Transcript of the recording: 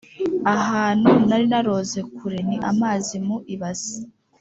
ahantu nari naroze kure ni amazi mu ibase